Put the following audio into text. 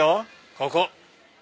ここ。